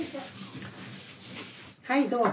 はいどうぞ。